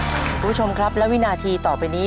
คุณผู้ชมครับและวินาทีต่อไปนี้